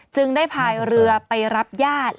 จึงได้พายเรือไปรับญาติ